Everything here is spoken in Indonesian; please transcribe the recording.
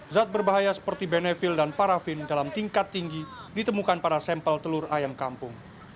zat berbahaya seperti benefil dan parafin dalam tingkat tinggi ditemukan pada sampel telur ayam kampung